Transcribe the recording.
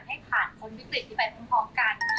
ให้ผ่านพ้นวิกฤตนี้ไปพร้อมกัน